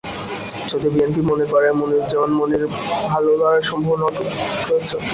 যদিও বিএনপি মনে করে মনিরুজ্জামান মনির ভালো লড়াইয়ের সম্ভাবনা অটুট রয়েছে।